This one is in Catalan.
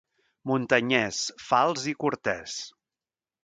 Muntanyès, fals i cortès.